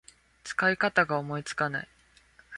使い方が思いつかない